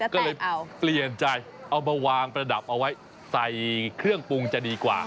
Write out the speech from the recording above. ก็เลยเปลี่ยนใจเอามาวางประดับเอาไว้ใส่เครื่องปรุงจะดีกว่า